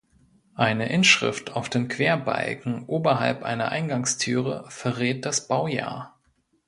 Eine Inschrift auf den Querbalken oberhalb einer Eingangstüre verrät das Baujahr.